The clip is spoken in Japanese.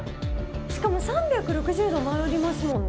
しかも３６０度回りますもんね。